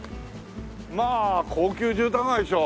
まあ高級住宅街でしょ